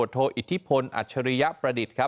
โทอิทธิพลอประดิษฐ์